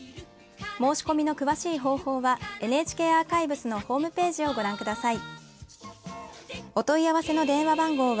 申し込みの詳しい方法はＮＨＫアーカイブスのホームページをご覧ください。